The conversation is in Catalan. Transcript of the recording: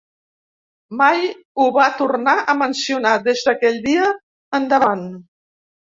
Mai ho va tornar a mencionar, des d'aquell dia endavant.